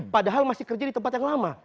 padahal masih kerja di tempat yang lama